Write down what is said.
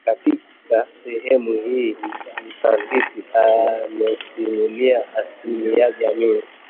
Katika sehemu hii mtafiti amesimulia asili ya jamii